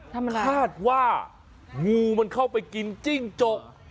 คาดว่างูมันเข้าไปกินจิ้งจก